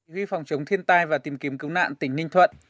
ghi phòng chống thiên tai và tìm kiếm cứu nạn tỉnh ninh thuận